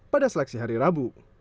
pada seleksi hari rabu